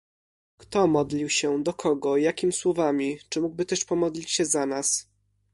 Kto modlił się, do kogo, jakim słowami, czy mógłby też pomodlić się za nas?